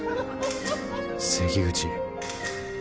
関口